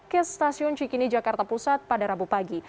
ke stasiun cikini jakarta pusat pada rabu pagi